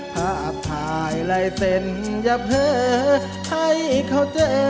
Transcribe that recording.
ภาพไพรไลน์เส้นอย่าเพิ่งให้เขาเจอ